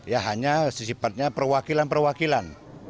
ya hanya sesipatnya perwakilan perwakilan